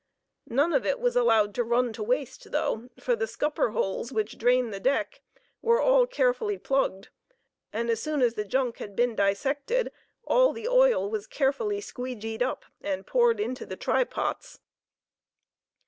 None of it was allowed to run to waste, though, for the scupper holes which drain the deck were all carefully plugged, and as soon as the "junk" had been dissected all the oil was carefully "squeegeed" up and poured into the try pots.